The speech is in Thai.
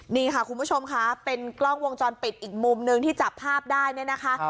นี่ค่ะคุณผู้ชมค่ะเป็นกล้องวงจรปิดอีกมุมนึงที่จับภาพได้เนี่ยนะคะ